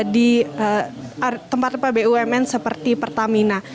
di tempat tempat bumn seperti pertamina